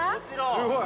◆すごい。